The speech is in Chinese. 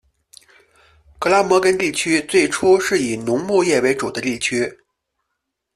格拉摩根地区最初是以农牧业为主的地区。